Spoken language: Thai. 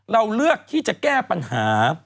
เราเลือกที่จะแก้ปัญหา